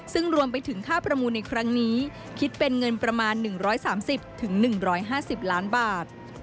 ซึ่งรวมไปถึงค่าประมูลในครั้งนี้คิดเป็นเงินประมาณ๑๓๐๑๕๐ล้านบาท